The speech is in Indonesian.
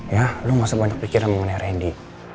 ya lo nggak sebanyak pikiran mengenai randy